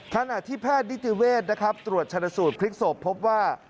ขณะที่แพทย์นิติเวศนะครับตรวจชนะสูตรพลิกศพพบว่า